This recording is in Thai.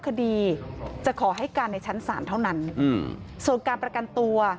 คดีจะขอให้การในชั้นศาลเท่านั้นส่วนการประกันตัว